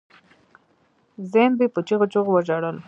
زينبې په چيغو چيغو وژړل.